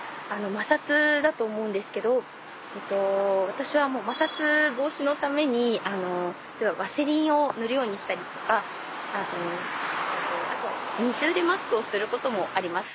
私は摩擦防止のためにワセリンを塗るようにしたりとかあと二重でマスクをすることもあります。